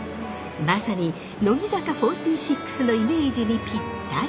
まさに乃木坂４６のイメージにぴったり。